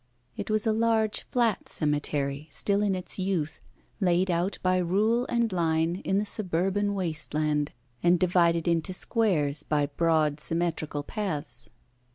It was a large flat cemetery, still in its youth, laid out by rule and line in the suburban waste land, and divided into squares by broad symmetrical paths.